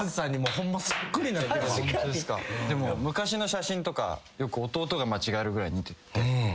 でも昔の写真とかよく弟が間違えるぐらい似てて。